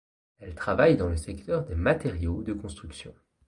Elle travaille dans le secteur des matériaux de construction.